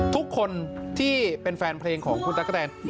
ทุกคนที่เป็นแฟนเพลงของคุณตั๊กกะแนน